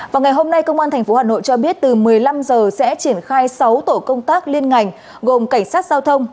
vào ngày hôm nay công an tp hà nội cho biết từ một mươi năm h sẽ triển khai sáu tổ công tác liên ngành gồm cảnh sát giao thông